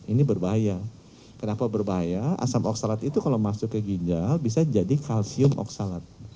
ini berbahaya kenapa berbahaya asam oksalat itu kalau masuk ke ginjal bisa jadi kalsium oksalat